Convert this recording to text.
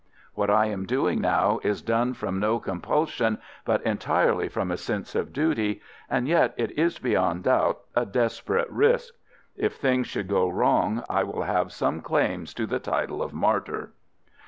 What I am doing now is done from no compulsion, but entirely from a sense of duty, and yet it is, beyond doubt, a desperate risk. If things should go wrong, I will have some claims to the title of martyr."